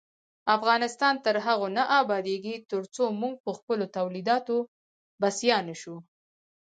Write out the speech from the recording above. افغانستان تر هغو نه ابادیږي، ترڅو موږ پخپلو تولیداتو بسیا نشو.